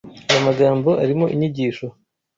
aya magambo arimo inyigisho